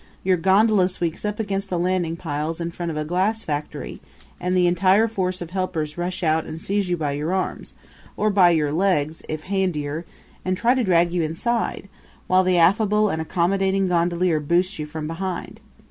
your gondola swings up against the landing piles in front of a glass factory and the entire force of helpers rush out and seize you by your arms or by your legs, if handier and try to drag you inside, while the affable and accommodating gondolier boosts you from behind.